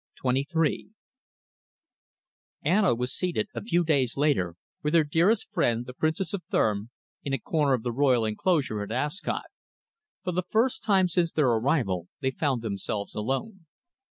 CHAPTER XXIII Anna was seated, a few days later, with her dearest friend, the Princess of Thurm, in a corner of the royal enclosure at Ascot. For the first time since their arrival they found themselves alone.